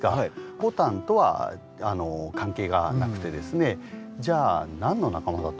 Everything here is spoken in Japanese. ボタンとは関係がなくてですねじゃあ何の仲間だと思います？